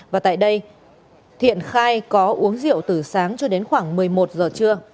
và tại đây thiện khai có uống rượu từ sáng cho đến khoảng một mươi một giờ trưa